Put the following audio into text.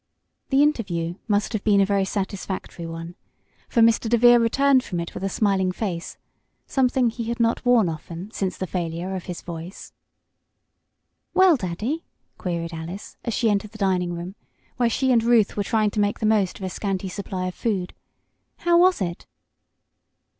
The interview must have been a very satisfactory one, for Mr. DeVere returned from it with a smiling face something he had not worn often since the failure of his voice. "Well, Daddy?" queried Alice, as she entered the dining room, where she and Ruth were trying to make the most of a scanty supply of food. "How was it?"